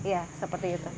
ya seperti itu